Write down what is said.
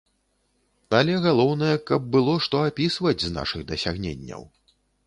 Але галоўнае, каб было што апісваць з нашых дасягненняў.